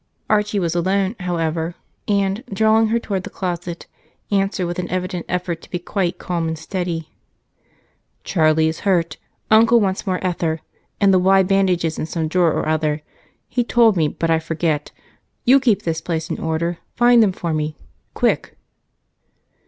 Archie was alone, however, and, drawing her toward the closet, answered with an evident effort to be quite calm and steady "Charlie is hurt! Uncle wants more ether and the wide bandages in some drawer or other. He told me, but I forget. You keep this place in order find them for me. Quick!"